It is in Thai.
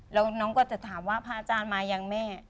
แล้วน้องก็จะถามว่าพระอาจารย์มายังแม่